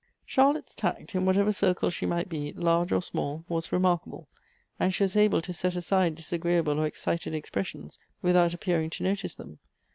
Charlotte's tact, in whatever circle she might be, large or small, was remarkable, and she was able to set aside disagreeable or excited expressions without appearing to notice them.